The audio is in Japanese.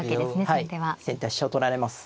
はい先手は飛車を取られます。